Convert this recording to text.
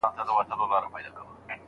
زه تر هغه وخته پوري دغه ډالۍ نه منم.